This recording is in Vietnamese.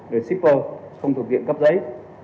đưa shipper không thuộc diện cấp giấy